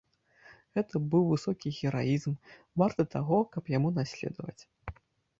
Гэта быў высокі гераізм, варты таго, каб яму наследаваць.